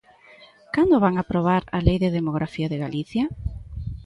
¿Cando van aprobar a Lei de demografía de Galicia?